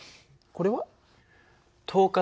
これは？